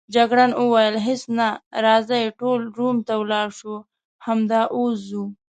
جګړن وویل: هیڅ نه، راځئ ټول روم ته ولاړ شو، همدا اوس ځو.